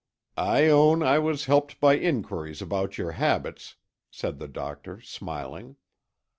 "I own I was helped by inquiries about your habits," said the doctor, smiling.